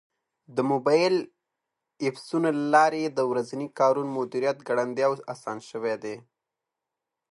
د موبایل ایپسونو له لارې د ورځني کارونو مدیریت ګړندی او اسان شوی دی.